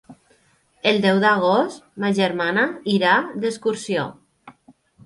El deu d'agost ma germana irà d'excursió.